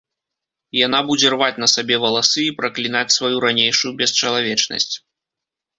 Яна будзе рваць на сабе валасы і праклінаць сваю ранейшую бесчалавечнасць.